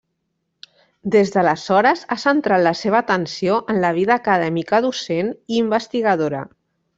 Des d'aleshores ha centrat la seva atenció en la vida acadèmica docent i investigadora.